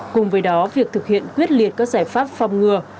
cùng với đó việc thực hiện quyết liệt các giải pháp phòng ngừa